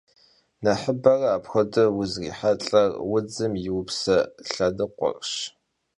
Nexhıbere apxuedeu vuzrihelh'er jjıgım yi yipşe lhenıkhuerş.